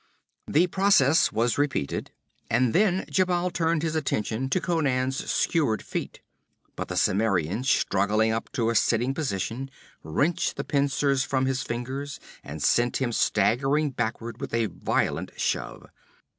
The process was repeated, and then Djebal turned his attention to Conan's skewered feet. But the Cimmerian, struggling up to a sitting posture, wrenched the pincers from his fingers and sent him staggering backward with a violent shove.